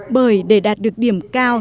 bởi để đạt được điểm cao